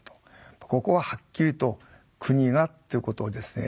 ここははっきりと「国が」っていうことをですね